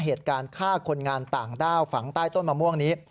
เหตุการณ์ฆ่าคนงานต่างด้าวฝังใต้ต้นมะม่วงนี้